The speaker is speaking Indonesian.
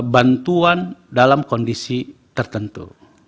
bantuan dalam kondisi tertentu